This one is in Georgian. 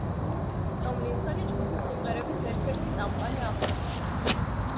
ტომლინსონი ჯგუფის სიმღერების ერთ-ერთი წამყვანი ავტორია.